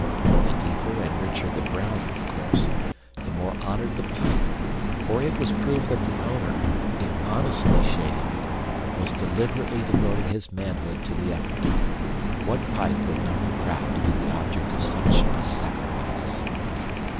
The deeper and richer the brown, of course, the more honored the pipe, for it was proof that the owner, if honestly shading it, was deliberately devoting his manhood to the effort. What pipe would not be proud to be the object of such a sacrifice!